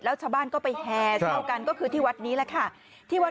แล้วชาวบ้านก็ไปแห่เช่ากันก็คือที่วัดนี้แหละค่ะ